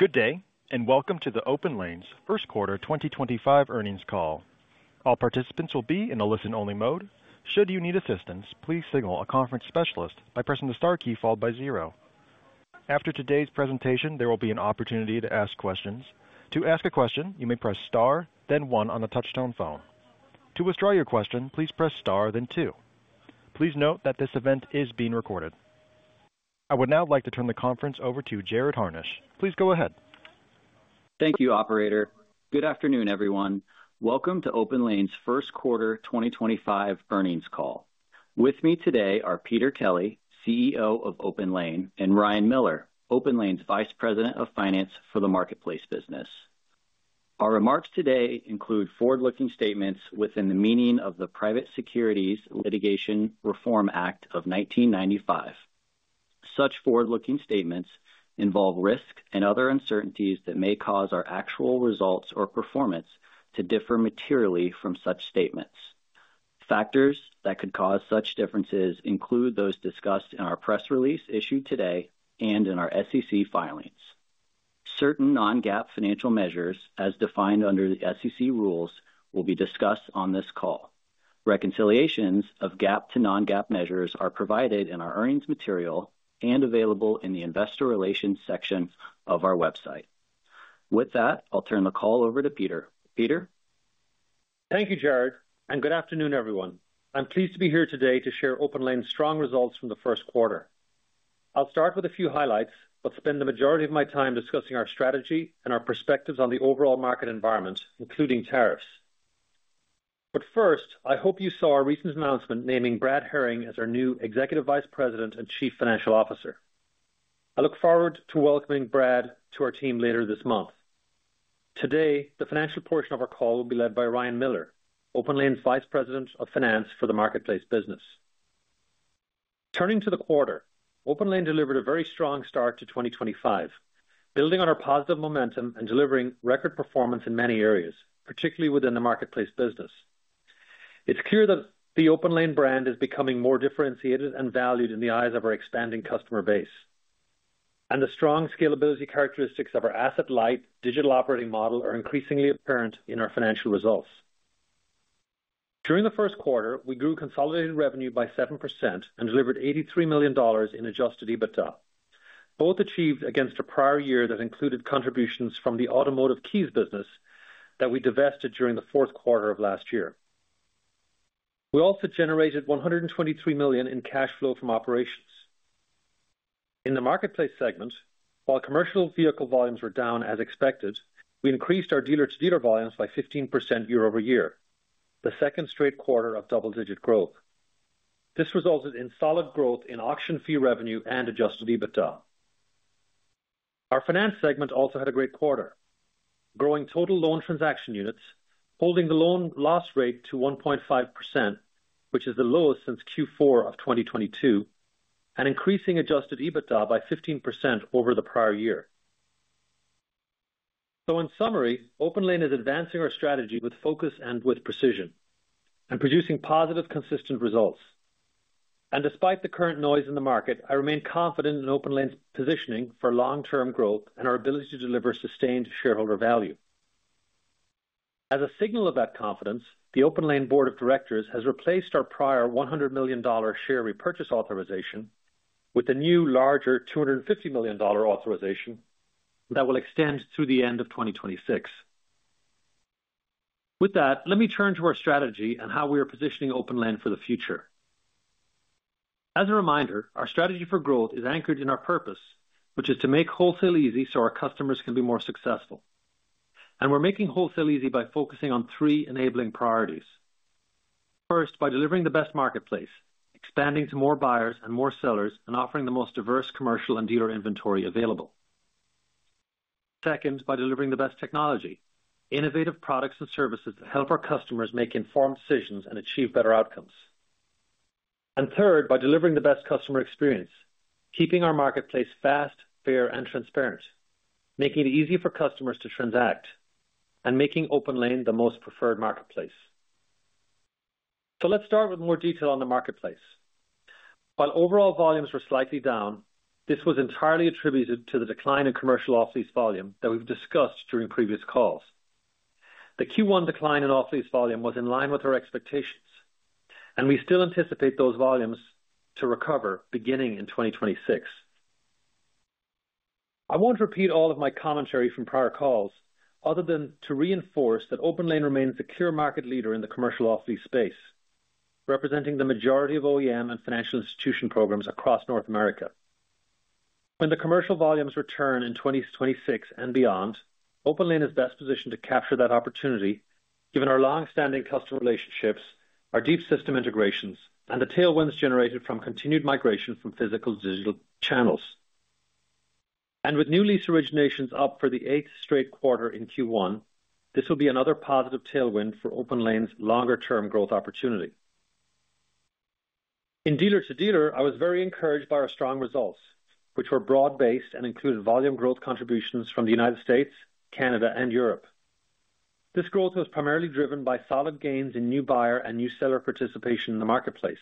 Good day, and welcome to OPENLANE's First Quarter 2025 Earnings Call. All participants will be in a listen-only mode. Should you need assistance, please signal a conference specialist by pressing the star key followed by zero. After today's presentation, there will be an opportunity to ask questions. To ask a question, you may press star, then one on the touch-tone phone. To withdraw your question, please press star, then two. Please note that this event is being recorded. I would now like to turn the conference over to Jared Harnish. Please go ahead. Thank you, Operator. Good afternoon, everyone. Welcome to OPENLANE's first quarter 2025 earnings call. With me today are Peter Kelly, CEO of OPENLANE, and Ryan Miller, OPENLANE's Vice President of Finance for the Marketplace business. Our remarks today include forward-looking statements within the meaning of the Private Securities Litigation Reform Act of 1995. Such forward-looking statements involve risk and other uncertainties that may cause our actual results or performance to differ materially from such statements. Factors that could cause such differences include those discussed in our press release issued today and in our SEC filings. Certain non-GAAP financial measures, as defined under the SEC rules, will be discussed on this call. Reconciliations of GAAP to non-GAAP measures are provided in our earnings material and available in the investor relations section of our website. With that, I'll turn the call over to Peter. Peter. Thank you, Jared, and good afternoon, everyone. I'm pleased to be here today to share OPENLANE's strong results from the first quarter. I'll start with a few highlights, but spend the majority of my time discussing our strategy and our perspectives on the overall market environment, including tariffs. First, I hope you saw our recent announcement naming Brad Herring as our new Executive Vice President and Chief Financial Officer. I look forward to welcoming Brad to our team later this month. Today, the financial portion of our call will be led by Ryan Miller, OPENLANE's Vice President of Finance for the Marketplace business. Turning to the quarter, OPENLANE delivered a very strong start to 2025, building on our positive momentum and delivering record performance in many areas, particularly within the Marketplace business. It's clear that the OPENLANE brand is becoming more differentiated and valued in the eyes of our expanding customer base, and the strong scalability characteristics of our asset-light digital operating model are increasingly apparent in our financial results. During the first quarter, we grew consolidated revenue by 7% and delivered $83 million in adjusted EBITDA, both achieved against a prior year that included contributions from the automotive keys business that we divested during the fourth quarter of last year. We also generated $123 million in cash flow from operations. In the Marketplace segment, while commercial vehicle volumes were down as expected, we increased our dealer-to-dealer volumes by 15% year-over-year, the second straight quarter of double-digit growth. This resulted in solid growth in auction fee revenue and adjusted EBITDA. Our finance segment also had a great quarter, growing total loan transaction units, holding the loan loss rate to 1.5%, which is the lowest since Q4 of 2022, and increasing adjusted EBITDA by 15% over the prior year. In summary, OPENLANE is advancing our strategy with focus and with precision, and producing positive, consistent results. Despite the current noise in the market, I remain confident in OPENLANE's positioning for long-term growth and our ability to deliver sustained shareholder value. As a signal of that confidence, the OPENLANE Board of Directors has replaced our prior $100 million share repurchase authorization with a new, larger, $250 million authorization that will extend through the end of 2026. With that, let me turn to our strategy and how we are positioning OPENLANE for the future. As a reminder, our strategy for growth is anchored in our purpose, which is to make wholesale easy so our customers can be more successful. We are making wholesale easy by focusing on three enabling priorities. First, by delivering the best marketplace, expanding to more buyers and more sellers, and offering the most diverse commercial and dealer inventory available. Second, by delivering the best technology, innovative products and services that help our customers make informed decisions and achieve better outcomes. Third, by delivering the best customer experience, keeping our marketplace fast, fair, and transparent, making it easy for customers to transact, and making OPENLANE the most preferred marketplace. Let's start with more detail on the marketplace. While overall volumes were slightly down, this was entirely attributed to the decline in commercial off-lease volume that we've discussed during previous calls. The Q1 decline in off-lease volume was in line with our expectations, and we still anticipate those volumes to recover beginning in 2026. I won't repeat all of my commentary from prior calls other than to reinforce that OPENLANE remains a clear market leader in the commercial off-lease space, representing the majority of OEM and financial institution programs across North America. When the commercial volumes return in 2026 and beyond, OPENLANE is best positioned to capture that opportunity, given our long-standing customer relationships, our deep system integrations, and the tailwinds generated from continued migration from physical to digital channels. With new lease originations up for the eighth straight quarter in Q1, this will be another positive tailwind for OPENLANE's longer-term growth opportunity. In dealer-to-dealer, I was very encouraged by our strong results, which were broad-based and included volume growth contributions from the United States, Canada, and Europe. This growth was primarily driven by solid gains in new buyer and new seller participation in the marketplace.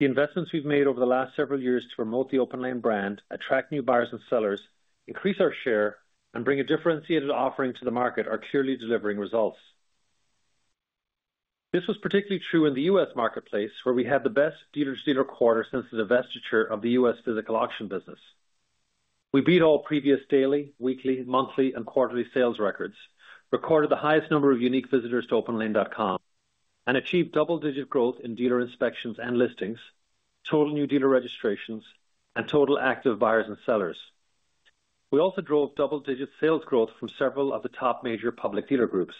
The investments we've made over the last several years to promote the OPENLANE brand, attract new buyers and sellers, increase our share, and bring a differentiated offering to the market are clearly delivering results. This was particularly true in the U.S. marketplace, where we had the best dealer-to-dealer quarter since the divestiture of the U.S. physical auction business. We beat all previous daily, weekly, monthly, and quarterly sales records, recorded the highest number of unique visitors to openlane.com, and achieved double-digit growth in dealer inspections and listings, total new dealer registrations, and total active buyers and sellers. We also drove double-digit sales growth from several of the top major public dealer groups,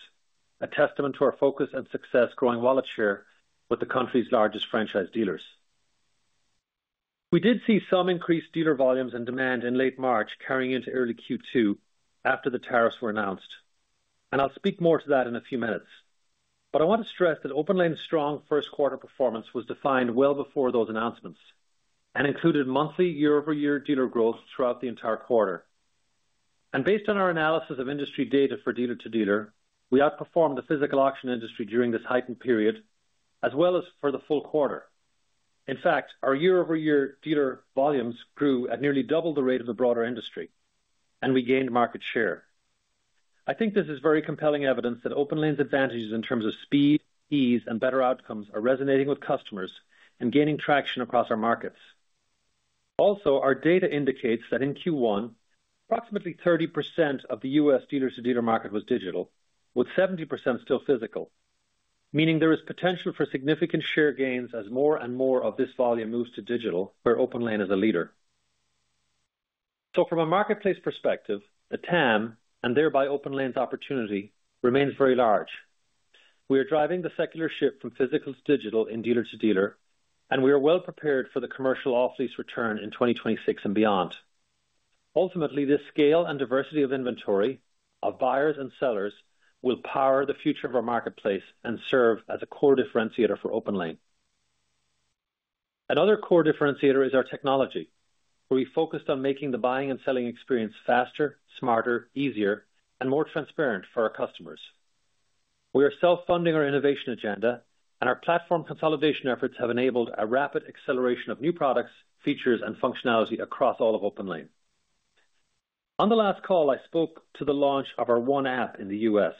a testament to our focus and success growing wallet share with the country's largest franchise dealers. We did see some increased dealer volumes and demand in late March, carrying into early Q2 after the tariffs were announced, and I'll speak more to that in a few minutes. I want to stress that OPENLANE's strong first quarter performance was defined well before those announcements and included monthly, year-over-year dealer growth throughout the entire quarter. Based on our analysis of industry data for dealer-to-dealer, we outperformed the physical auction industry during this heightened period, as well as for the full quarter. In fact, our year-over-year dealer volumes grew at nearly double the rate of the broader industry, and we gained market share. I think this is very compelling evidence that OPENLANE's advantages in terms of speed, ease, and better outcomes are resonating with customers and gaining traction across our markets. Also, our data indicates that in Q1, approximately 30% of the U.S. Dealer-to-dealer market was digital, with 70% still physical, meaning there is potential for significant share gains as more and more of this volume moves to digital, where OPENLANE is a leader. From a marketplace perspective, the TAM, and thereby OPENLANE's opportunity, remains very large. We are driving the secular shift from physical to digital in dealer-to-dealer, and we are well prepared for the commercial off-lease return in 2026 and beyond. Ultimately, this scale and diversity of inventory, of buyers and sellers, will power the future of our marketplace and serve as a core differentiator for OPENLANE. Another core differentiator is our technology, where we focused on making the buying and selling experience faster, smarter, easier, and more transparent for our customers. We are self-funding our innovation agenda, and our platform consolidation efforts have enabled a rapid acceleration of new products, features, and functionality across all of OPENLANE. On the last call, I spoke to the launch of our One App in the U.S.,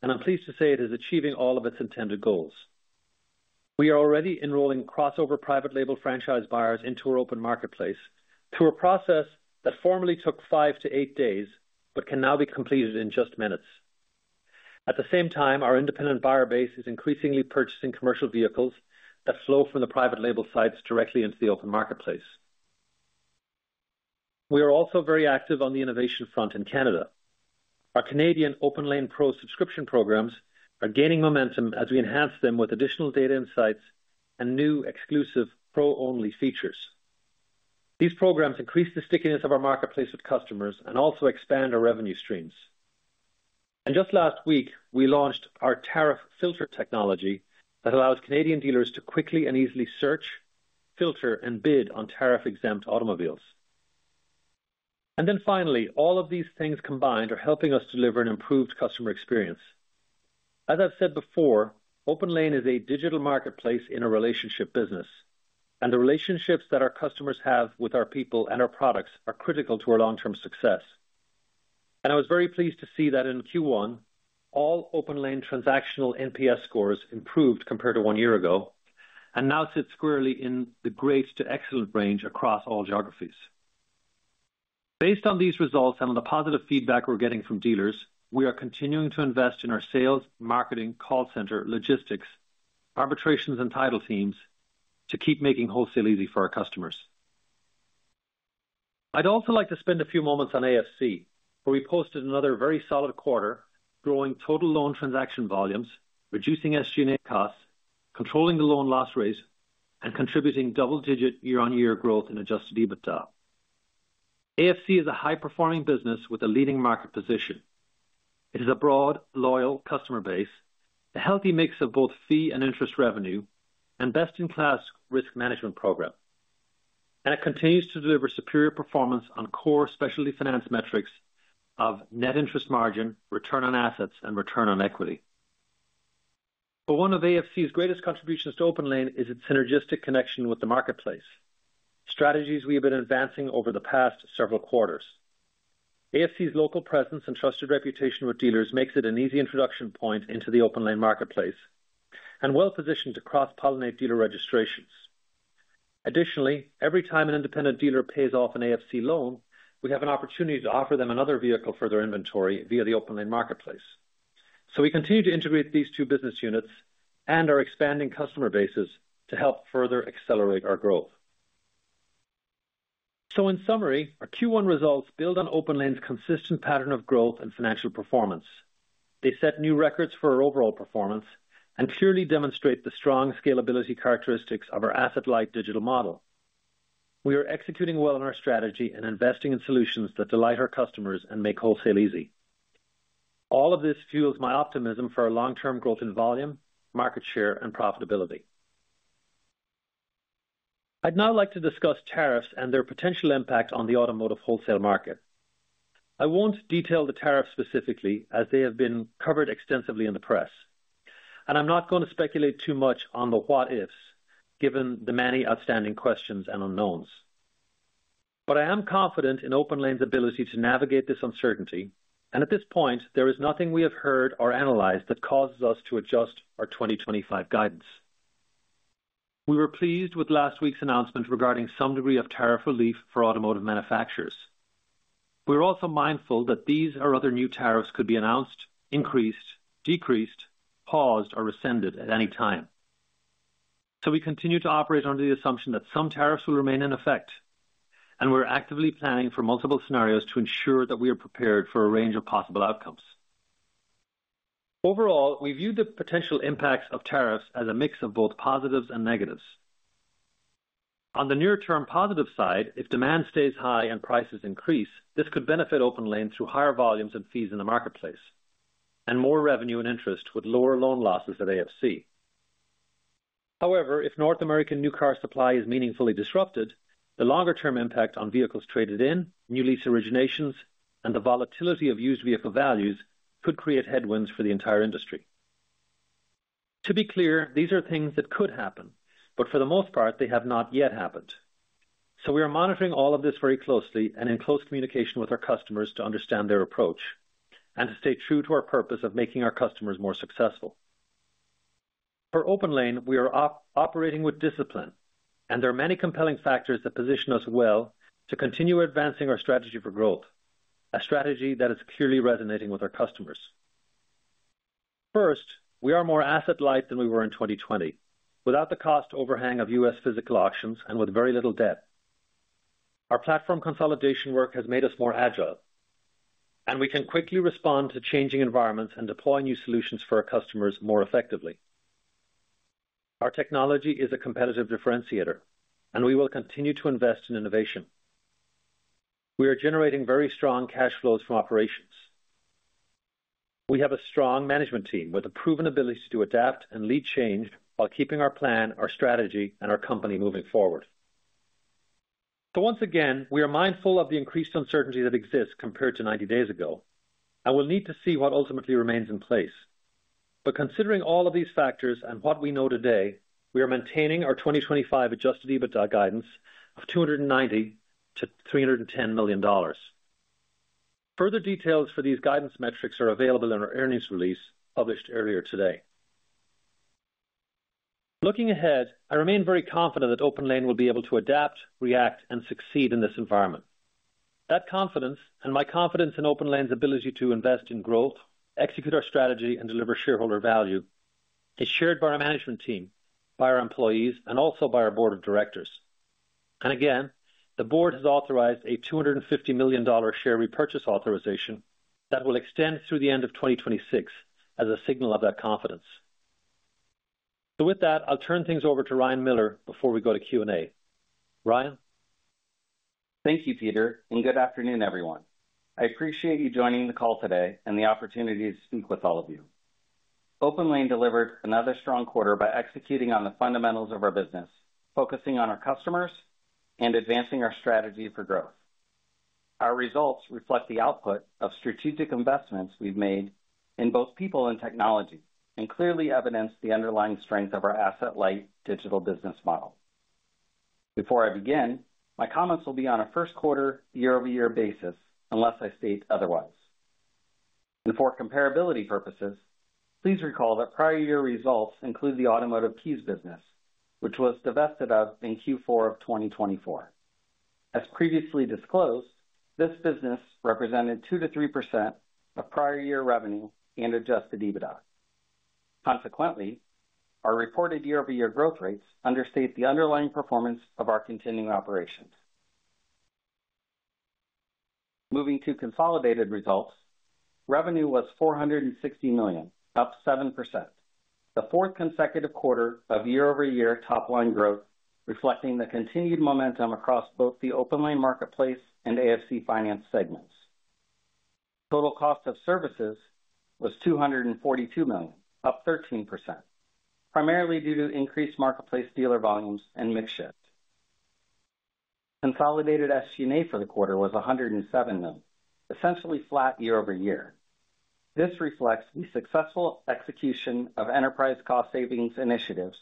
and I'm pleased to say it is achieving all of its intended goals. We are already enrolling crossover private label franchise buyers into our open marketplace through a process that formerly took five to eight days, but can now be completed in just minutes. At the same time, our independent buyer base is increasingly purchasing commercial vehicles that flow from the private label sites directly into the open marketplace. We are also very active on the innovation front in Canada. Our Canadian OPENLANE Pro subscription programs are gaining momentum as we enhance them with additional data insights and new exclusive pro-only features. These programs increase the stickiness of our marketplace with customers and also expand our revenue streams. Just last week, we launched our tariff filter technology that allows Canadian dealers to quickly and easily search, filter, and bid on tariff-exempt automobiles. Finally, all of these things combined are helping us deliver an improved customer experience. As I've said before, OPENLANE is a digital marketplace in a relationship business, and the relationships that our customers have with our people and our products are critical to our long-term success. I was very pleased to see that in Q1, all OPENLANE transactional NPS scores improved compared to one year ago, and now sit squarely in the great to excellent range across all geographies. Based on these results and on the positive feedback we're getting from dealers, we are continuing to invest in our sales, marketing, call center, logistics, arbitrations, and title teams to keep making wholesale easy for our customers. I'd also like to spend a few moments on AFC, where we posted another very solid quarter, growing total loan transaction volumes, reducing SG&A costs, controlling the loan loss rate, and contributing double-digit year-on-year growth in adjusted EBITDA. AFC is a high-performing business with a leading market position. It has a broad, loyal customer base, a healthy mix of both fee and interest revenue, and a best-in-class risk management program. It continues to deliver superior performance on core specialty finance metrics of net interest margin, return on assets, and return on equity. One of AFC's greatest contributions to OPENLANE is its synergistic connection with the marketplace, strategies we have been advancing over the past several quarters. AFC's local presence and trusted reputation with dealers makes it an easy introduction point into the OPENLANE marketplace and well-positioned to cross-pollinate dealer registrations. Additionally, every time an independent dealer pays off an AFC loan, we have an opportunity to offer them another vehicle for their inventory via the OPENLANE marketplace. We continue to integrate these two business units and our expanding customer bases to help further accelerate our growth. In summary, our Q1 results build on OPENLANE's consistent pattern of growth and financial performance. They set new records for our overall performance and clearly demonstrate the strong scalability characteristics of our asset-light digital model. We are executing well on our strategy and investing in solutions that delight our customers and make wholesale easy. All of this fuels my optimism for our long-term growth in volume, market share, and profitability. I would now like to discuss tariffs and their potential impact on the automotive wholesale market. I won't detail the tariffs specifically, as they have been covered extensively in the press, and I'm not going to speculate too much on the what-ifs, given the many outstanding questions and unknowns. I am confident in OPENLANE's ability to navigate this uncertainty, and at this point, there is nothing we have heard or analyzed that causes us to adjust our 2025 guidance. We were pleased with last week's announcement regarding some degree of tariff relief for automotive manufacturers. We are also mindful that these or other new tariffs could be announced, increased, decreased, paused, or rescinded at any time. We continue to operate under the assumption that some tariffs will remain in effect, and we're actively planning for multiple scenarios to ensure that we are prepared for a range of possible outcomes. Overall, we view the potential impacts of tariffs as a mix of both positives and negatives. On the near-term positive side, if demand stays high and prices increase, this could benefit OPENLANE through higher volumes and fees in the marketplace, and more revenue and interest would lower loan losses at AFC. However, if North American new car supply is meaningfully disrupted, the longer-term impact on vehicles traded in, new lease originations, and the volatility of used vehicle values could create headwinds for the entire industry. To be clear, these are things that could happen, but for the most part, they have not yet happened. We are monitoring all of this very closely and in close communication with our customers to understand their approach and to stay true to our purpose of making our customers more successful. For OPENLANE, we are operating with discipline, and there are many compelling factors that position us well to continue advancing our strategy for growth, a strategy that is clearly resonating with our customers. First, we are more asset-light than we were in 2020, without the cost overhang of U.S. physical auctions and with very little debt. Our platform consolidation work has made us more agile, and we can quickly respond to changing environments and deploy new solutions for our customers more effectively. Our technology is a competitive differentiator, and we will continue to invest in innovation. We are generating very strong cash flows from operations. We have a strong management team with a proven ability to adapt and lead change while keeping our plan, our strategy, and our company moving forward. Once again, we are mindful of the increased uncertainty that exists compared to 90 days ago, and we'll need to see what ultimately remains in place. Considering all of these factors and what we know today, we are maintaining our 2025 adjusted EBITDA guidance of $290 million-$310 million. Further details for these guidance metrics are available in our earnings release published earlier today. Looking ahead, I remain very confident that OPENLANE will be able to adapt, react, and succeed in this environment. That confidence, and my confidence in OPENLANE's ability to invest in growth, execute our strategy, and deliver shareholder value, is shared by our management team, by our employees, and also by our board of directors. Again, the board has authorized a $250 million share repurchase authorization that will extend through the end of 2026 as a signal of that confidence. With that, I'll turn things over to Ryan Miller before we go to Q&A. Ryan. Thank you, Peter, and good afternoon, everyone. I appreciate you joining the call today and the opportunity to speak with all of you. OPENLANE delivered another strong quarter by executing on the fundamentals of our business, focusing on our customers and advancing our strategy for growth. Our results reflect the output of strategic investments we've made in both people and technology and clearly evidence the underlying strength of our asset-light digital business model. Before I begin, my comments will be on a first quarter, year-over-year basis, unless I state otherwise. For comparability purposes, please recall that prior year results include the automotive keys business, which was divested of in Q4 of 2024. As previously disclosed, this business represented 2%-3% of prior year revenue and adjusted EBITDA. Consequently, our reported year-over-year growth rates understate the underlying performance of our continuing operations. Moving to consolidated results, revenue was $460 million, up 7%, the fourth consecutive quarter of year-over-year top-line growth, reflecting the continued momentum across both the OPENLANE marketplace and AFC finance segments. Total cost of services was $242 million, up 13%, primarily due to increased marketplace dealer volumes and mix shift. Consolidated SG&A for the quarter was $107 million, essentially flat year-over-year. This reflects the successful execution of enterprise cost savings initiatives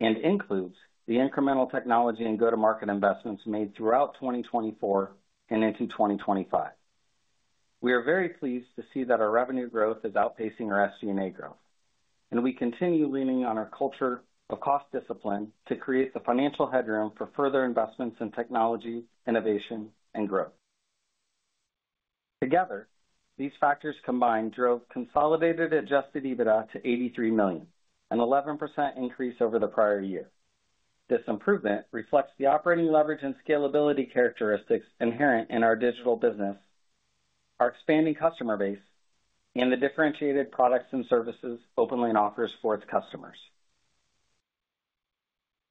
and includes the incremental technology and go-to-market investments made throughout 2024 and into 2025. We are very pleased to see that our revenue growth is outpacing our SG&A growth, and we continue leaning on our culture of cost discipline to create the financial headroom for further investments in technology, innovation, and growth. Together, these factors combined drove consolidated adjusted EBITDA to $83 million, an 11% increase over the prior year. This improvement reflects the operating leverage and scalability characteristics inherent in our digital business, our expanding customer base, and the differentiated products and services OPENLANE offers for its customers.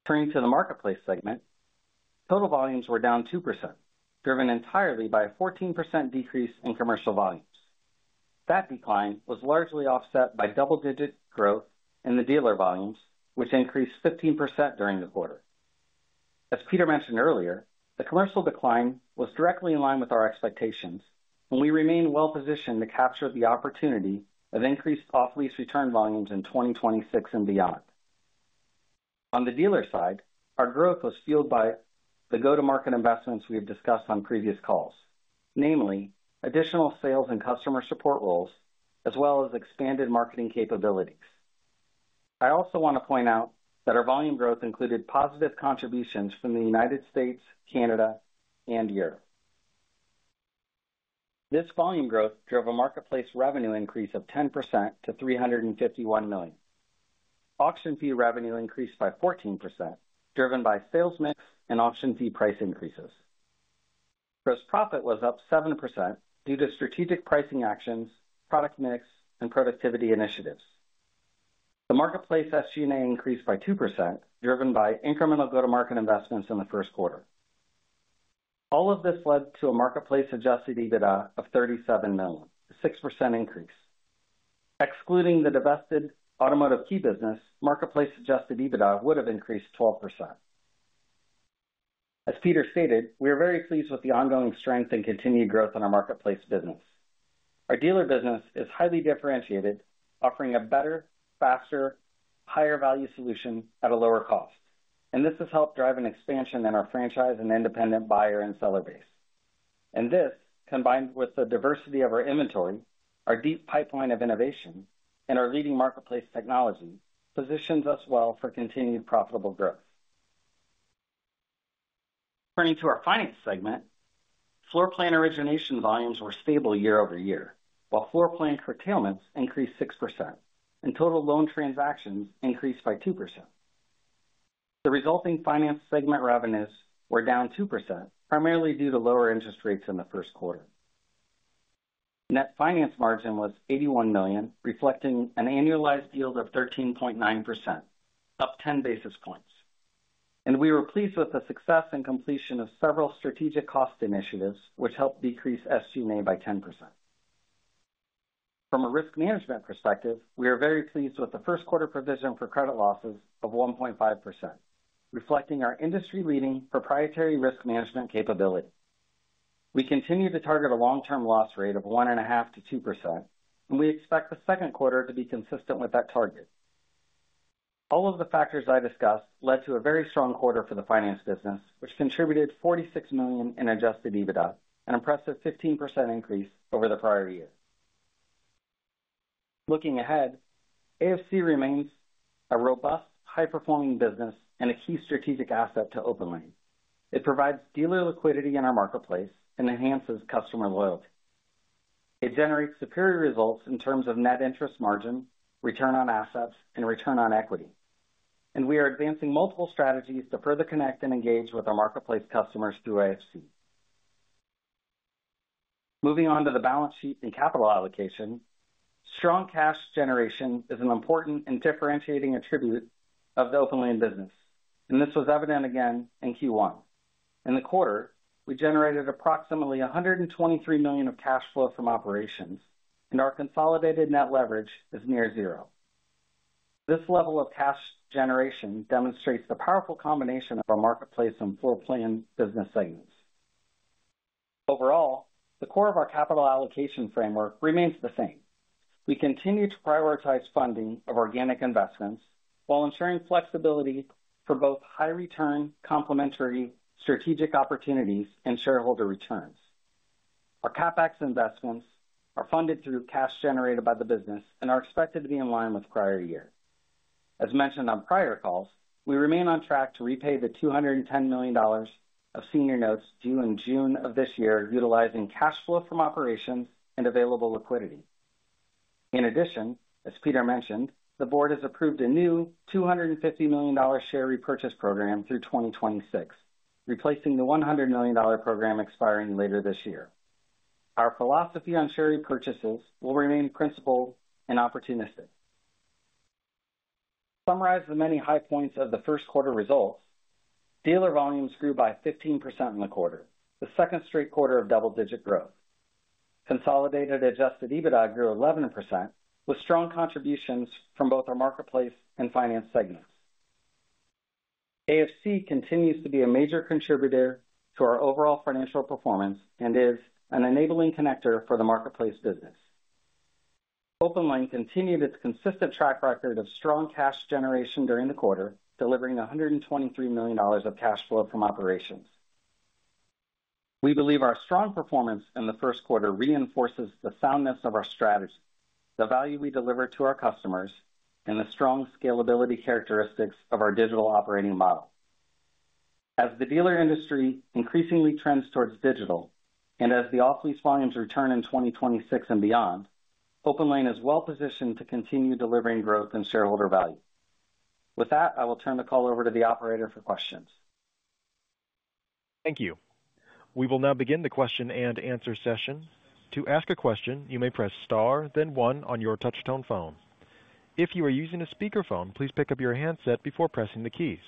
Turning to the marketplace segment, total volumes were down 2%, driven entirely by a 14% decrease in commercial volumes. That decline was largely offset by double-digit growth in the dealer volumes, which increased 15% during the quarter. As Peter mentioned earlier, the commercial decline was directly in line with our expectations, and we remain well-positioned to capture the opportunity of increased off-lease return volumes in 2026 and beyond. On the dealer side, our growth was fueled by the go-to-market investments we have discussed on previous calls, namely additional sales and customer support roles, as well as expanded marketing capabilities. I also want to point out that our volume growth included positive contributions from the United States, Canada, and Europe. This volume growth drove a marketplace revenue increase of 10% to $351 million. Auction fee revenue increased by 14%, driven by sales mix and auction fee price increases. Gross profit was up 7% due to strategic pricing actions, product mix, and productivity initiatives. The marketplace SG&A increased by 2%, driven by incremental go-to-market investments in the first quarter. All of this led to a marketplace adjusted EBITDA of $37 million, a 6% increase. Excluding the divested automotive key business, marketplace adjusted EBITDA would have increased 12%. As Peter stated, we are very pleased with the ongoing strength and continued growth in our marketplace business. Our dealer business is highly differentiated, offering a better, faster, higher-value solution at a lower cost, and this has helped drive an expansion in our franchise and independent buyer and seller base. This, combined with the diversity of our inventory, our deep pipeline of innovation, and our leading marketplace technology, positions us well for continued profitable growth. Turning to our finance segment, floor plan origination volumes were stable year-over-year, while floor plan curtailments increased 6% and total loan transactions increased by 2%. The resulting finance segment revenues were down 2%, primarily due to lower interest rates in the first quarter. Net finance margin was $81 million, reflecting an annualized yield of 13.9%, up 10 basis points. We were pleased with the success and completion of several strategic cost initiatives, which helped decrease SG&A by 10%. From a risk management perspective, we are very pleased with the first quarter provision for credit losses of 1.5%, reflecting our industry-leading proprietary risk management capability. We continue to target a long-term loss rate of 1.5%-2%, and we expect the second quarter to be consistent with that target. All of the factors I discussed led to a very strong quarter for the finance business, which contributed $46 million in adjusted EBITDA, an impressive 15% increase over the prior year. Looking ahead, AFC remains a robust, high-performing business and a key strategic asset to OPENLANE. It provides dealer liquidity in our marketplace and enhances customer loyalty. It generates superior results in terms of net interest margin, return on assets, and return on equity. We are advancing multiple strategies to further connect and engage with our marketplace customers through AFC. Moving on to the balance sheet and capital allocation, strong cash generation is an important and differentiating attribute of the OPENLANE business, and this was evident again in Q1. In the quarter, we generated approximately $123 million of cash flow from operations, and our consolidated net leverage is near zero. This level of cash generation demonstrates the powerful combination of our marketplace and floor plan business segments. Overall, the core of our capital allocation framework remains the same. We continue to prioritize funding of organic investments while ensuring flexibility for both high-return, complementary strategic opportunities and shareholder returns. Our CapEx investments are funded through cash generated by the business and are expected to be in line with prior year. As mentioned on prior calls, we remain on track to repay the $210 million of senior notes due in June of this year, utilizing cash flow from operations and available liquidity. In addition, as Peter mentioned, the board has approved a new $250 million share repurchase program through 2026, replacing the $100 million program expiring later this year. Our philosophy on share repurchases will remain principled and opportunistic. To summarize the many high points of the first quarter results, dealer volumes grew by 15% in the quarter, the second straight quarter of double-digit growth. Consolidated adjusted EBITDA grew 11%, with strong contributions from both our marketplace and finance segments. AFC continues to be a major contributor to our overall financial performance and is an enabling connector for the marketplace business. OPENLANE continued its consistent track record of strong cash generation during the quarter, delivering $123 million of cash flow from operations. We believe our strong performance in the first quarter reinforces the soundness of our strategy, the value we deliver to our customers, and the strong scalability characteristics of our digital operating model. As the dealer industry increasingly trends towards digital and as the off-lease volumes return in 2026 and beyond, OPENLANE is well-positioned to continue delivering growth and shareholder value. With that, I will turn the call over to the operator for questions. Thank you. We will now begin the question and answer session. To ask a question, you may press star, then one on your touch-tone phone. If you are using a speakerphone, please pick up your handset before pressing the keys.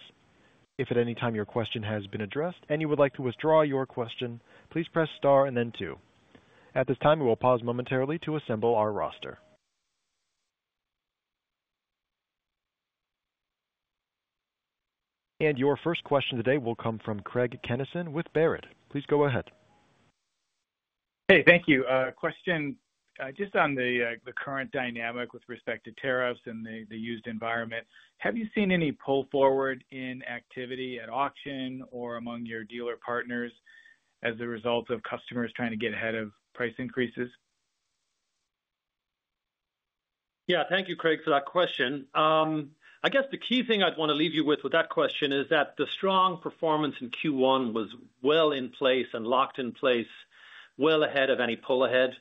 If at any time your question has been addressed and you would like to withdraw your question, please press star and then two. At this time, we will pause momentarily to assemble our roster. Your first question today will come from Craig Kennison with Baird. Please go ahead. Hey, thank you. Question just on the current dynamic with respect to tariffs and the used environment. Have you seen any pull forward in activity at auction or among your dealer partners as a result of customers trying to get ahead of price increases? Yeah, thank you, Craig, for that question. I guess the key thing I'd want to leave you with with that question is that the strong performance in Q1 was well in place and locked in place well ahead of any pull ahead.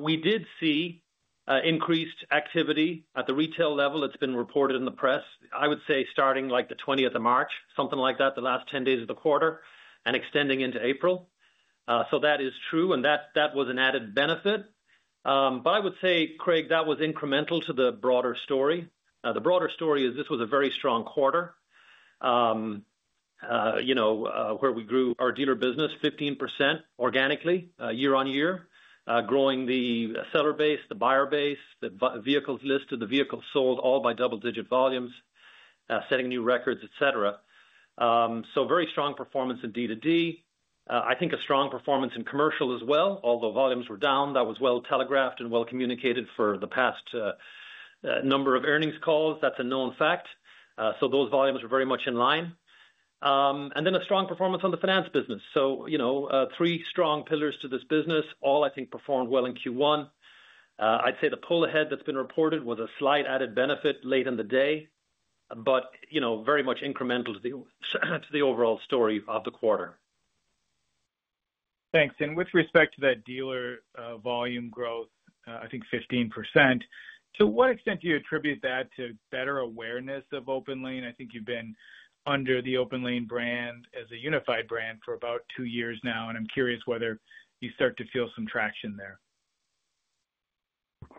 We did see increased activity at the retail level. It's been reported in the press, I would say, starting like the 20th of March, something like that, the last 10 days of the quarter and extending into April. That is true, and that was an added benefit. I would say, Craig, that was incremental to the broader story. The broader story is this was a very strong quarter where we grew our dealer business 15% organically year-on-year, growing the seller base, the buyer base, the vehicles listed, the vehicles sold, all by double-digit volumes, setting new records, etc. Very strong performance in D to D. I think a strong performance in commercial as well, although volumes were down. That was well telegraphed and well communicated for the past number of earnings calls. That's a known fact. Those volumes were very much in line. A strong performance on the finance business. Three strong pillars to this business, all I think performed well in Q1. I'd say the pull ahead that's been reported was a slight added benefit late in the day, but very much incremental to the overall story of the quarter. Thanks. With respect to that dealer volume growth, I think 15%, to what extent do you attribute that to better awareness of OPENLANE? I think you've been under the OPENLANE brand as a unified brand for about two years now, and I'm curious whether you start to feel some traction there.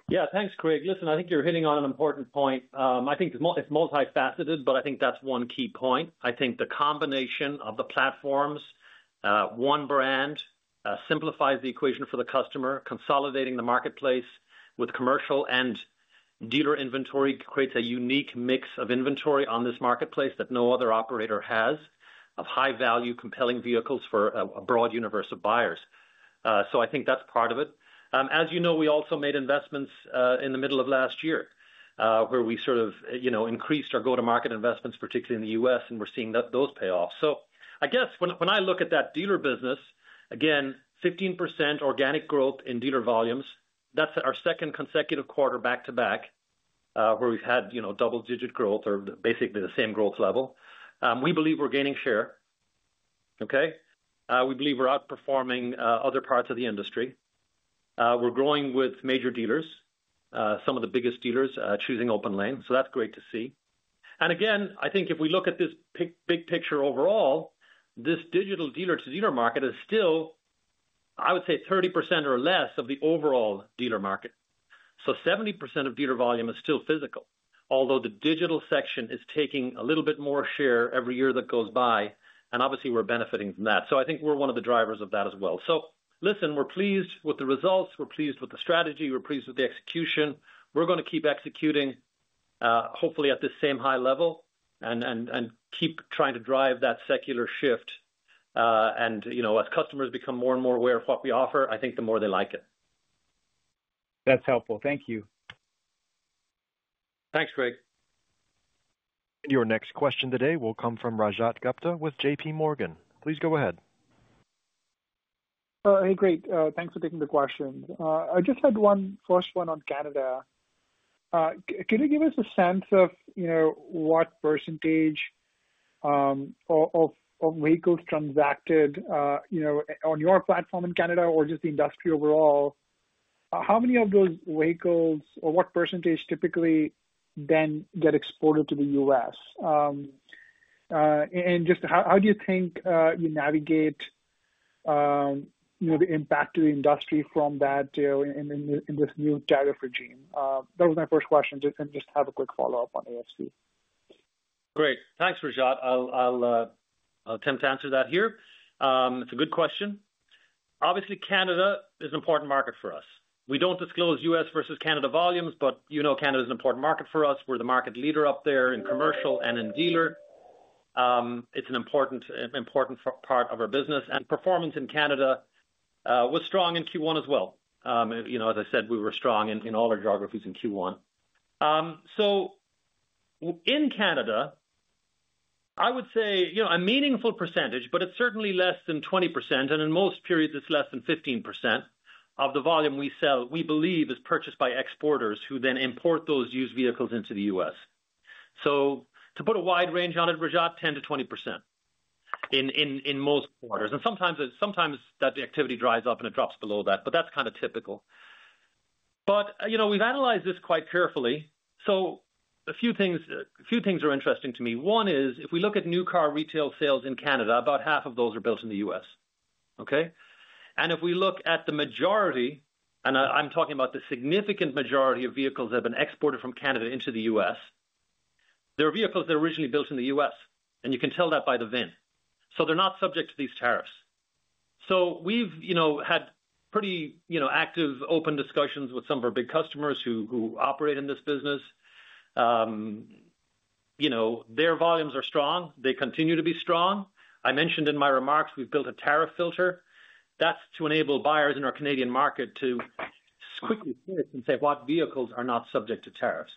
Yeah, thanks, Craig. Listen, I think you're hitting on an important point. I think it's multifaceted, but I think that's one key point. I think the combination of the platforms, one brand simplifies the equation for the customer. Consolidating the marketplace with commercial and dealer inventory creates a unique mix of inventory on this marketplace that no other operator has of high-value, compelling vehicles for a broad universe of buyers. I think that's part of it. As you know, we also made investments in the middle of last year where we sort of increased our go-to-market investments, particularly in the U.S., and we're seeing those pay off. I guess when I look at that dealer business, again, 15% organic growth in dealer volumes, that's our second consecutive quarter back to back where we've had double-digit growth or basically the same growth level. We believe we're gaining share. Okay? We believe we're outperforming other parts of the industry. We're growing with major dealers, some of the biggest dealers choosing OPENLANE. That's great to see. Again, I think if we look at this big picture overall, this digital dealer-to-dealer market is still, I would say, 30% or less of the overall dealer market. Seventy percent of dealer volume is still physical, although the digital section is taking a little bit more share every year that goes by, and obviously we're benefiting from that. I think we're one of the drivers of that as well. Listen, we're pleased with the results. We're pleased with the strategy. We're pleased with the execution. We're going to keep executing, hopefully at this same high level, and keep trying to drive that secular shift. As customers become more and more aware of what we offer, I think the more they like it. That's helpful. Thank you. Thanks, Craig. Your next question today will come from Rajat Gupta with JPMorgan. Please go ahead. Hey, Craig, thanks for taking the question. I just had one first one on Canada. Could you give us a sense of what percentage of vehicles transacted on your platform in Canada or just the industry overall? How many of those vehicles or what percentage typically then get exported to the U.S.? And just how do you think you navigate the impact to the industry from that in this new tariff regime? That was my first question. Just have a quick follow-up on AFC. Great. Thanks, Rajat. I'll attempt to answer that here. It's a good question. Obviously, Canada is an important market for us. We don't disclose U.S. versus Canada volumes, but Canada is an important market for us. We're the market leader up there in commercial and in dealer. It's an important part of our business. And performance in Canada was strong in Q1 as well. As I said, we were strong in all our geographies in Q1. In Canada, I would say a meaningful percentage, but it is certainly less than 20%. In most periods, it is less than 15% of the volume we sell, we believe, is purchased by exporters who then import those used vehicles into the U.S. To put a wide range on it, Rajat, 10%-20% in most quarters. Sometimes that activity dries up and it drops below that, but that is kind of typical. We have analyzed this quite carefully. A few things are interesting to me. One is if we look at new car retail sales in Canada, about half of those are built in the U.S. If we look at the majority, and I am talking about the significant majority of vehicles that have been exported from Canada into the U.S., they are vehicles that are originally built in the U.S. You can tell that by the VIN. They are not subject to these tariffs. We have had pretty active open discussions with some of our big customers who operate in this business. Their volumes are strong. They continue to be strong. I mentioned in my remarks we have built a tariff filter. That is to enable buyers in our Canadian market to quickly see it and say what vehicles are not subject to tariffs.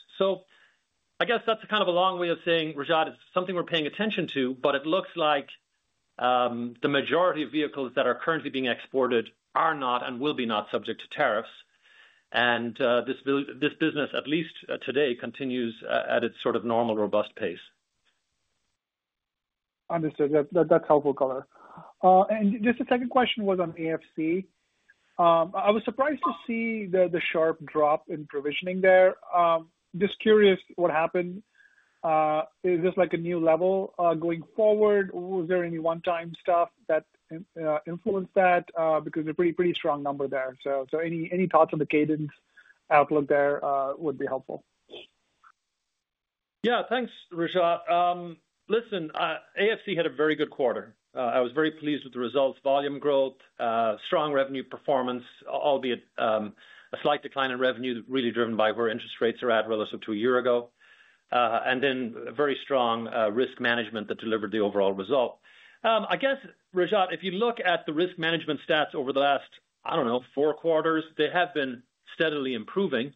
I guess that is kind of a long way of saying, Rajat, it is something we are paying attention to, but it looks like the majority of vehicles that are currently being exported are not and will not be subject to tariffs. This business, at least today, continues at its sort of normal, robust pace. Understood. That is helpful, Color. The second question was on AFC. I was surprised to see the sharp drop in provisioning there. Just curious what happened. Is this like a new level going forward? Was there any one-time stuff that influenced that? Because it's a pretty strong number there. Any thoughts on the cadence outlook there would be helpful. Yeah, thanks, Rajat. Listen, AFC had a very good quarter. I was very pleased with the results, volume growth, strong revenue performance, albeit a slight decline in revenue really driven by where interest rates are at relative to a year ago. Then very strong risk management that delivered the overall result. I guess, Rajat, if you look at the risk management stats over the last, I don't know, four quarters, they have been steadily improving.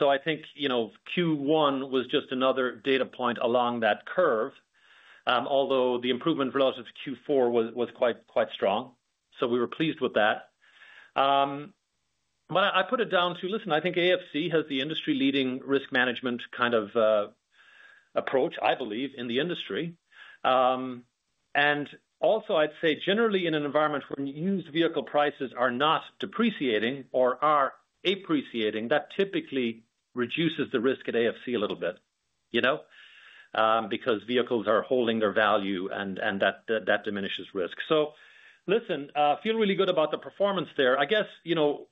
I think Q1 was just another data point along that curve, although the improvement relative to Q4 was quite strong. We were pleased with that. I put it down to, listen, I think AFC has the industry-leading risk management kind of approach, I believe, in the industry. I would also say generally in an environment where used vehicle prices are not depreciating or are appreciating, that typically reduces the risk at AFC a little bit because vehicles are holding their value and that diminishes risk. Listen, feel really good about the performance there. I guess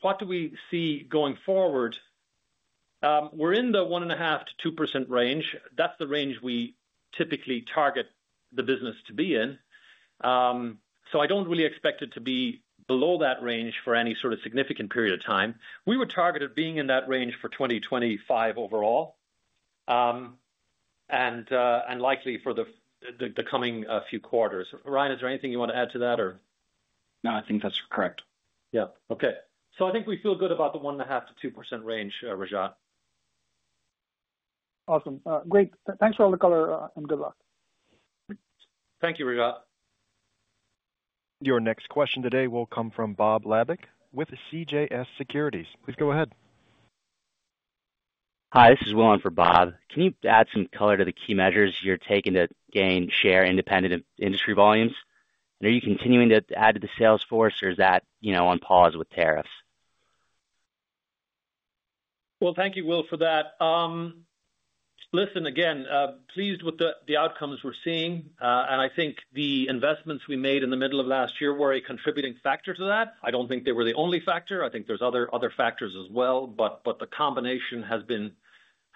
what do we see going forward? We are in the 1.5%-2% range. That is the range we typically target the business to be in. I do not really expect it to be below that range for any sort of significant period of time. We were targeted being in that range for 2025 overall and likely for the coming few quarters. Ryan, is there anything you want to add to that or? No, I think that's correct. Yeah. Okay. So I think we feel good about the 1.5%-2% range, Rajat. Awesome. Great. Thanks for all the color and good luck. Thank you, Rajat. Your next question today will come from Bob Labick with CJS Securities. Please go ahead. Hi, this is Will Owen for Bob. Can you add some color to the key measures you're taking to gain share independent of industry volumes? And are you continuing to add to the sales force or is that on pause with tariffs? Thank you, Will, for that. Listen, again, pleased with the outcomes we're seeing. I think the investments we made in the middle of last year were a contributing factor to that. I don't think they were the only factor. I think there's other factors as well, but the combination has been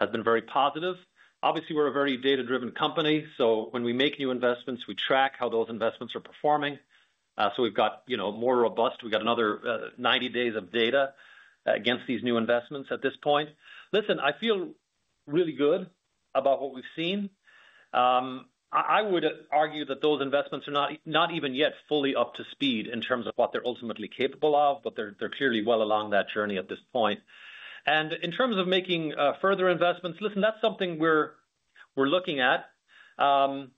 very positive. Obviously, we're a very data-driven company. So when we make new investments, we track how those investments are performing. We've got more robust, we've got another 90 days of data against these new investments at this point. Listen, I feel really good about what we've seen. I would argue that those investments are not even yet fully up to speed in terms of what they're ultimately capable of, but they're clearly well along that journey at this point. In terms of making further investments, listen, that's something we're looking at. The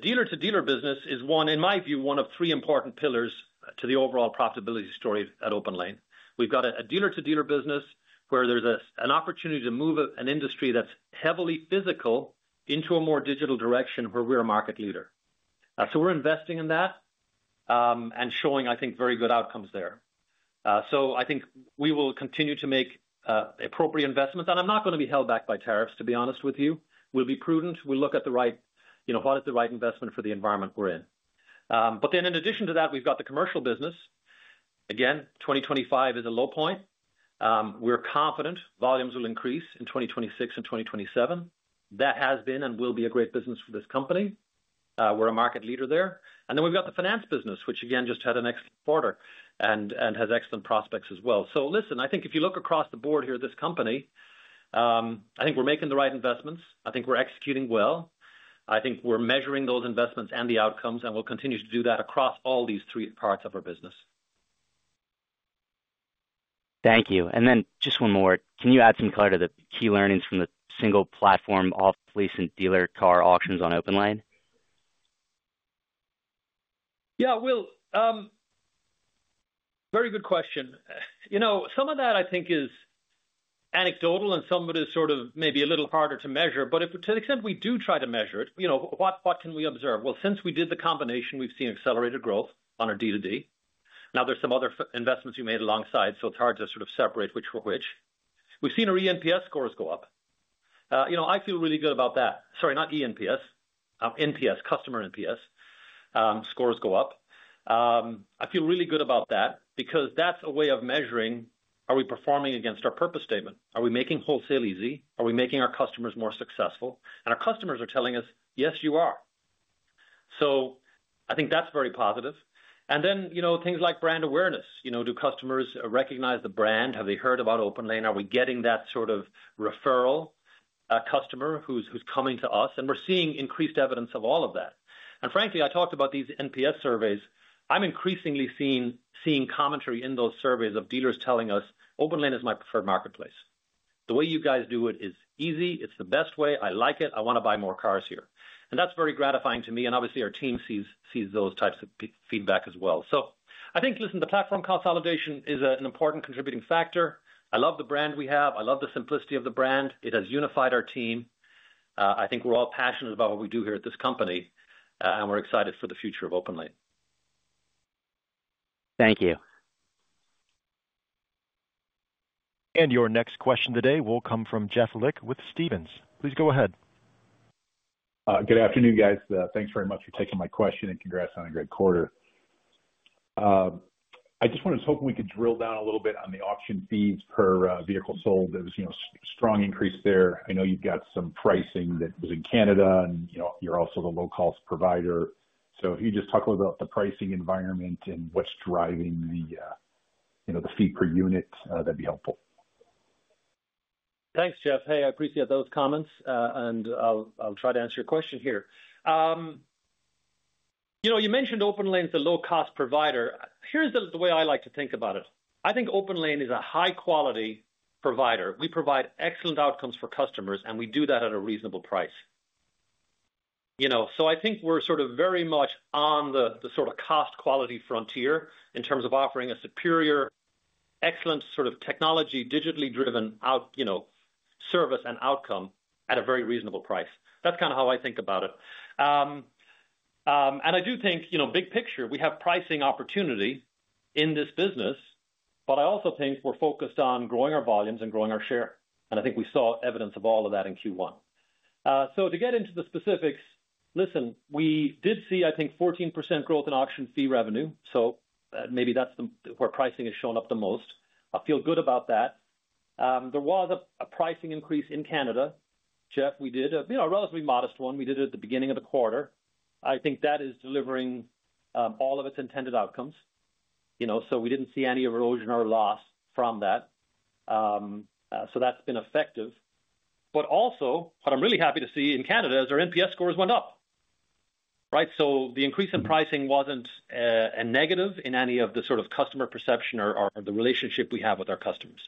dealer-to-dealer business is, in my view, one of three important pillars to the overall profitability story at OPENLANE. We've got a dealer-to-dealer business where there's an opportunity to move an industry that's heavily physical into a more digital direction where we're a market leader. We're investing in that and showing, I think, very good outcomes there. I think we will continue to make appropriate investments. I'm not going to be held back by tariffs, to be honest with you. We'll be prudent. We'll look at what is the right investment for the environment we're in. In addition to that, we've got the commercial business. Again, 2025 is a low point. We're confident volumes will increase in 2026 and 2027. That has been and will be a great business for this company. We're a market leader there. We've got the finance business, which again just had an excellent quarter and has excellent prospects as well. Listen, I think if you look across the board here at this company, I think we're making the right investments. I think we're executing well. I think we're measuring those investments and the outcomes, and we'll continue to do that across all these three parts of our business. Thank you. And then just one more. Can you add some color to the key learnings from the single platform off-placement dealer car auctions on OPENLANE? Yeah, Will. Very good question. Some of that I think is anecdotal and some of it is sort of maybe a little harder to measure. To the extent we do try to measure it, what can we observe? Since we did the combination, we've seen accelerated growth on our D2D. Now there's some other investments we made alongside, so it's hard to sort of separate which for which. We've seen our NPS scores go up. I feel really good about that. Sorry, not ENPS, NPS, customer NPS scores go up. I feel really good about that because that's a way of measuring are we performing against our purpose statement? Are we making wholesale easy? Are we making our customers more successful? And our customers are telling us, yes, you are. I think that's very positive. Things like brand awareness. Do customers recognize the brand? Have they heard about OPENLANE? Are we getting that sort of referral customer who's coming to us? We're seeing increased evidence of all of that. Frankly, I talked about these NPS surveys. I'm increasingly seeing commentary in those surveys of dealers telling us, "OPENLANE is my preferred marketplace. The way you guys do it is easy. It's the best way. I like it. I want to buy more cars here." That's very gratifying to me. Obviously, our team sees those types of feedback as well. I think, listen, the platform consolidation is an important contributing factor. I love the brand we have. I love the simplicity of the brand. It has unified our team. I think we're all passionate about what we do here at this company, and we're excited for the future of OPENLANE. Thank you. Your next question today will come from Jeff Lick with Stephens. Please go ahead. Good afternoon, guys. Thanks very much for taking my question and congrats on a great quarter. I just wanted to hope we could drill down a little bit on the auction fees per vehicle sold. There was a strong increase there. I know you've got some pricing that was in Canada, and you're also the low-cost provider. If you just talk a little bit about the pricing environment and what's driving the fee per unit, that'd be helpful. Thanks, Jeff. Hey, I appreciate those comments, and I'll try to answer your question here. You mentioned OPENLANE is a low-cost provider. Here's the way I like to think about it. I think OPENLANE is a high-quality provider. We provide excellent outcomes for customers, and we do that at a reasonable price. I think we're sort of very much on the sort of cost-quality frontier in terms of offering a superior, excellent sort of technology, digitally driven service and outcome at a very reasonable price. That's kind of how I think about it. I do think, big picture, we have pricing opportunity in this business, but I also think we're focused on growing our volumes and growing our share. I think we saw evidence of all of that in Q1. To get into the specifics, listen, we did see, I think, 14% growth in auction fee revenue. Maybe that's where pricing has shown up the most. I feel good about that. There was a pricing increase in Canada, Jeff, we did a relatively modest one. We did it at the beginning of the quarter. I think that is delivering all of its intended outcomes. We did not see any erosion or loss from that. That has been effective. What I'm really happy to see in Canada is our NPS scores went up. Right? The increase in pricing was not a negative in any of the sort of customer perception or the relationship we have with our customers.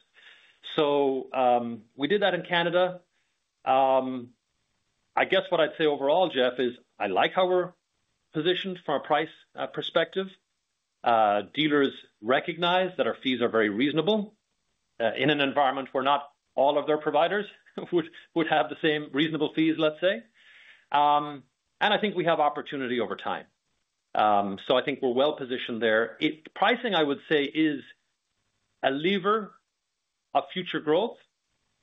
We did that in Canada. I guess what I would say overall, Jeff, is I like how we're positioned from a price perspective. Dealers recognize that our fees are very reasonable in an environment where not all of their providers would have the same reasonable fees, let's say. I think we have opportunity over time. I think we're well positioned there. Pricing, I would say, is a lever of future growth,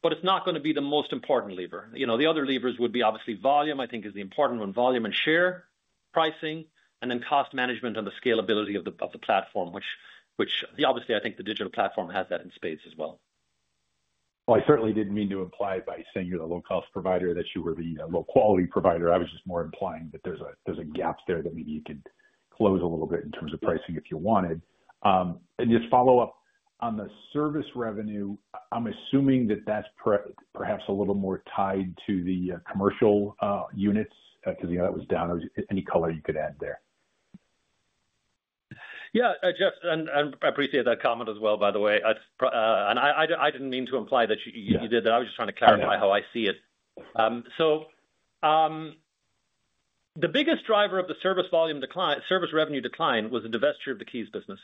but it's not going to be the most important lever. The other levers would be obviously volume, I think, is the important one, volume and share pricing, and then cost management and the scalability of the platform, which obviously, I think the digital platform has that in spades as well. I certainly didn't mean to imply by saying you're the low-cost provider that you were the low-quality provider. I was just more implying that there's a gap there that maybe you could close a little bit in terms of pricing if you wanted. Just follow up on the service revenue, I'm assuming that that's perhaps a little more tied to the commercial units because that was down. Any color you could add there? Yeah, Jeff, I appreciate that comment as well, by the way. I didn't mean to imply that you did that. I was just trying to clarify how I see it. The biggest driver of the service volume revenue decline was the divestiture of the keys business.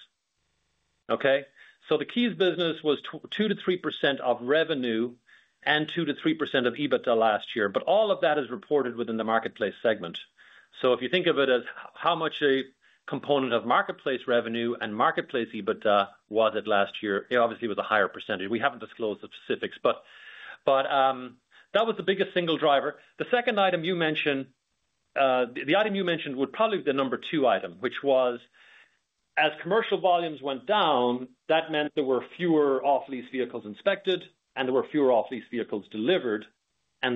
The keys business was 2%-3% of revenue and 2%-3% of EBITDA last year. All of that is reported within the marketplace segment. If you think of it as how much a component of marketplace revenue and marketplace EBITDA was it last year, it obviously was a higher percentage. We haven't disclosed the specifics, but that was the biggest single driver. The second item you mentioned, the item you mentioned would probably be the number two item, which was as commercial volumes went down, that meant there were fewer off-lease vehicles inspected and there were fewer off-lease vehicles delivered.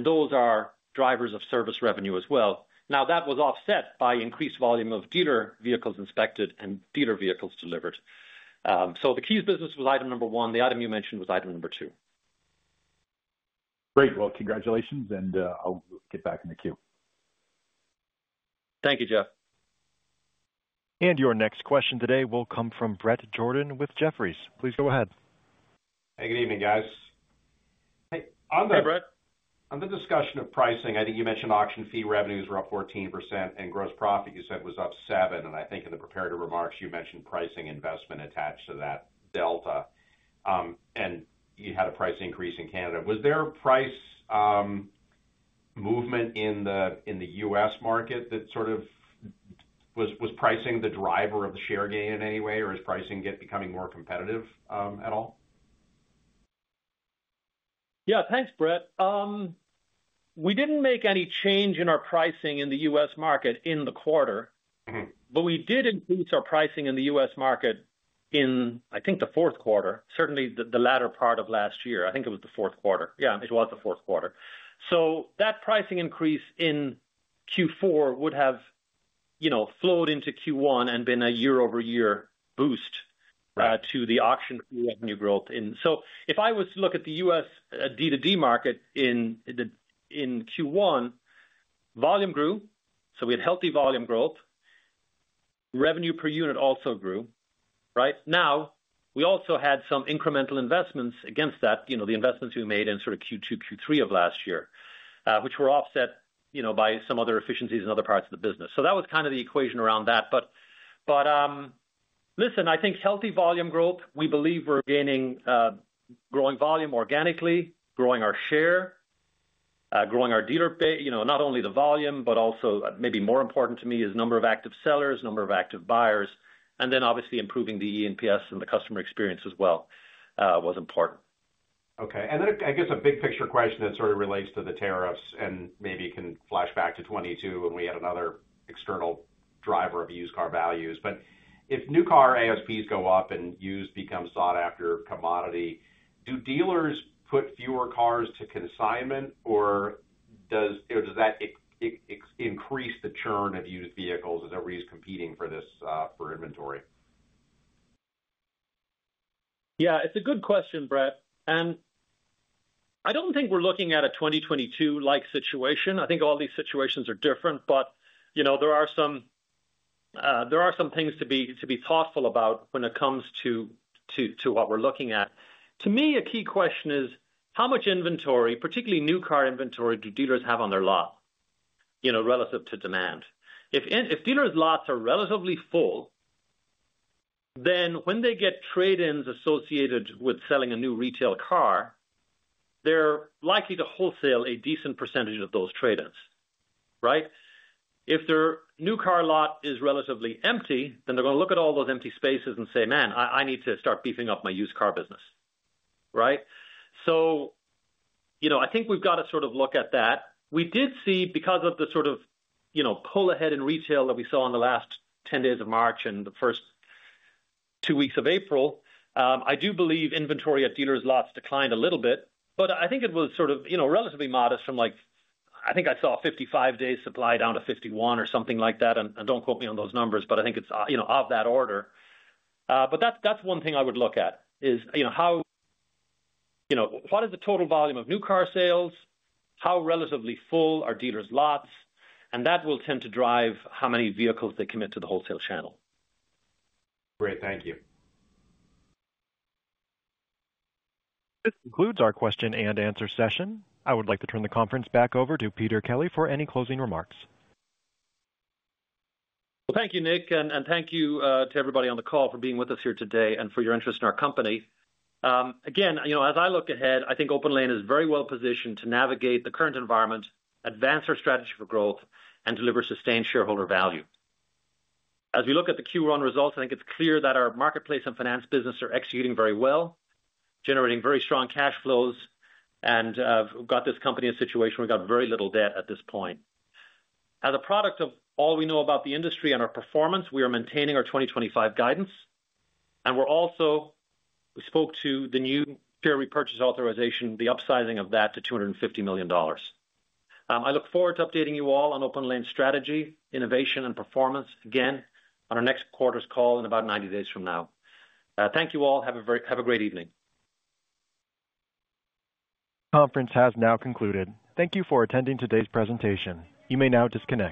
Those are drivers of service revenue as well. That was offset by increased volume of dealer vehicles inspected and dealer vehicles delivered. The keys business was item number one. The item you mentioned was item number two. Great. Congratulations, and I'll get back in the queue. Thank you, Jeff. Your next question today will come from Bret Jordan with Jefferies. Please go ahead. Hey, good evening, guys. On the discussion of pricing, I think you mentioned auction fee revenues were up 14% and gross profit, you said, was up seven. I think in the preparatory remarks, you mentioned pricing investment attached to that delta. You had a price increase in Canada. Was there a price movement in the U.S. market that sort of was pricing the driver of the share gain in any way, or is pricing becoming more competitive at all? Yeah, thanks, Bret. We did not make any change in our pricing in the U.S. market in the quarter, but we did increase our pricing in the U.S. market in, I think, the fourth quarter, certainly the latter part of last year. I think it was the fourth quarter. Yeah, it was the fourth quarter. That pricing increase in Q4 would have flowed into Q1 and been a year-over-year boost to the auction fee revenue growth. If I was to look at the U.S. D2D market in Q1, volume grew. We had healthy volume growth. Revenue per unit also grew. Right? Now, we also had some incremental investments against that, the investments we made in sort of Q2, Q3 of last year, which were offset by some other efficiencies in other parts of the business. That was kind of the equation around that. Listen, I think healthy volume growth, we believe we're gaining growing volume organically, growing our share, growing our dealer pay. Not only the volume, but also maybe more important to me is number of active sellers, number of active buyers. Obviously improving the ENPS and the customer experience as well was important. Okay. I guess a big picture question that sort of relates to the tariffs and maybe can flash back to 2022 when we had another external driver of used car values. If new car ASPs go up and used becomes a sought-after commodity, do dealers put fewer cars to consignment, or does that increase the churn of used vehicles as everybody's competing for inventory? Yeah, it's a good question, Brett. I don't think we're looking at a 2022-like situation. I think all these situations are different, but there are some things to be thoughtful about when it comes to what we're looking at. To me, a key question is how much inventory, particularly new car inventory, do dealers have on their lot relative to demand? If dealers' lots are relatively full, then when they get trade-ins associated with selling a new retail car, they're likely to wholesale a decent percentage of those trade-ins. Right? If their new car lot is relatively empty, then they're going to look at all those empty spaces and say, "Man, I need to start beefing up my used car business." Right? I think we've got to sort of look at that. We did see, because of the sort of pull ahead in retail that we saw in the last 10 days of March and the first two weeks of April, I do believe inventory at dealers' lots declined a little bit. I think it was sort of relatively modest from, I think I saw 55 days supply down to 51 or something like that. Do not quote me on those numbers, but I think it's of that order. That's one thing I would look at is what is the total volume of new car sales, how relatively full are dealers' lots, and that will tend to drive how many vehicles they commit to the wholesale channel. Great. Thank you. This concludes our question and answer session. I would like to turn the conference back over to Peter Kelly for any closing remarks. Thank you, Nick, and thank you to everybody on the call for being with us here today and for your interest in our company. Again, as I look ahead, I think OPENLANE is very well positioned to navigate the current environment, advance our strategy for growth, and deliver sustained shareholder value. As we look at the Q1 results, I think it's clear that our marketplace and finance business are executing very well, generating very strong cash flows, and we've got this company in a situation where we've got very little debt at this point. As a product of all we know about the industry and our performance, we are maintaining our 2025 guidance. We spoke to the new share repurchase authorization, the upsizing of that to $250 million. I look forward to updating you all on OPENLANE's strategy, innovation, and performance again on our next quarter's call in about 90 days from now. Thank you all. Have a great evening. The conference has now concluded. Thank you for attending today's presentation. You may now disconnect.